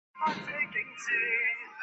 华顿路球场共用球场。